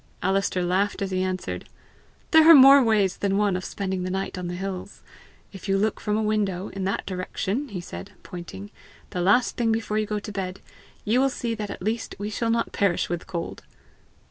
Alister laughed as he answered, "There are more ways than one of spending a night on the hills. If you look from a window in that direction," he said, pointing, "the last thing before you go to bed, you will see that at least we shall not perish with cold."